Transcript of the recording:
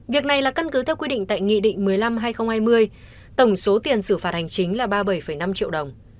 việc này là căn cứ theo quy định tại nghị định một mươi năm hai nghìn hai mươi tổng số tiền xử phạt hành chính là ba mươi bảy năm triệu đồng